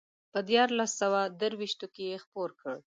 په دیارلس سوه درویشتو کې یې خپور کړ.